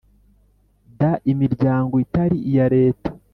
d imiryango itari iya Leta